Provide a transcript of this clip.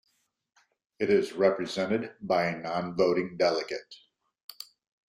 It is represented by a non-voting delegate.